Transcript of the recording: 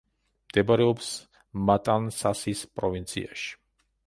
მდებარეობს მატანსასის პროვინციაში.